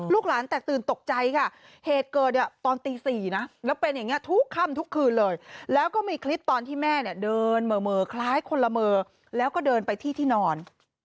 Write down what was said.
หลานแตกตื่นตกใจค่ะเหตุเกิดตอนตี๔นะแล้วเป็นอย่างนี้ทุกค่ำทุกคืนเลยแล้วก็มีคลิปตอนที่แม่เนี่ยเดินเหม่อคล้ายคนละเมอแล้วก็เดินไปที่ที่นอน